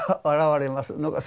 現れます。